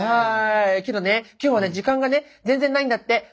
けどね今日はね時間がね全然ないんだって。